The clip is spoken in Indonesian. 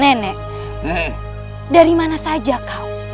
nenek dari mana saja kau